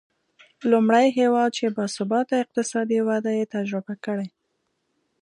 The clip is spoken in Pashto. لومړی هېواد چې با ثباته اقتصادي وده یې تجربه کړې.